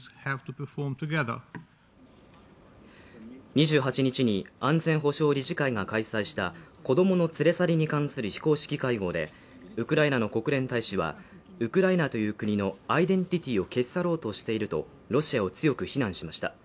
２８日に安全保障理事会が開催した子供の連れ去りに関する非公式会合で、ウクライナの国連大使は、ウクライナという国のアイデンティティを消し去ろうとしているとロシアを強く非難しました。